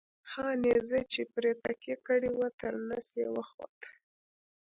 هغه نیزه چې پرې تکیه یې کړې وه تر نس یې وخوته.